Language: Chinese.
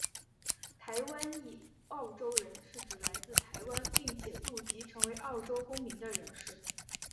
台湾裔澳洲人是指来自台湾并且入籍成为澳洲公民的人士。